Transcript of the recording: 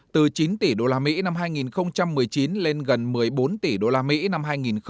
từ chín tỷ usd năm hai nghìn một mươi chín lên gần một mươi bốn tỷ usd năm hai nghìn một mươi chín